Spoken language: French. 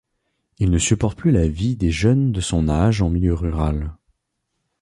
Il ne supporte plus la vie des jeunes de son âge en milieu rural.